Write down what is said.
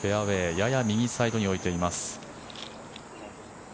やや右サイドに置いています。